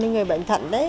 với người bệnh thận đấy